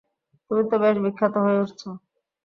তুমি তো বেশ বিখ্যাত হয়ে উঠছ।